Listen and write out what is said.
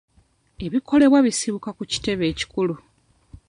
Ebikolebwa bisibuka ku kitebe ekikulu.